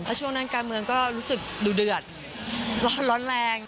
เพราะช่วงนั้นการเมืองก็รู้สึกดูเดือดร้อนแรง